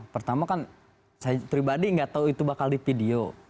pertama kan saya pribadi nggak tahu itu bakal di video